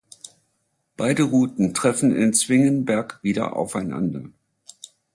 Beide Routen treffen in Zwingenberg wieder aufeinander.